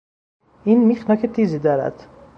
این میخ نوک تیزی دارد.